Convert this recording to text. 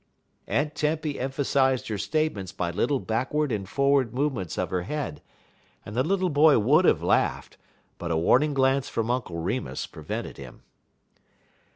Aunt Tempy emphasized her statements by little backward and forward movements of her head, and the little boy would have laughed, but a warning glance from Uncle Remus prevented him.